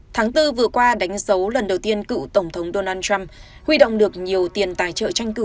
tháng bốn vừa qua đánh dấu lần đầu tiên cựu tổng thống donald trump huy động được nhiều tiền tài trợ tranh cử